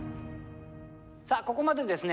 さあここまでですね